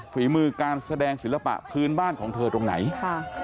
ฝีมือการแสดงศิลปะพื้นบ้านของเธอตรงไหนค่ะ